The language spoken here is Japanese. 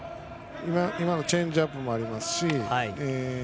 チェンジアップもありますし。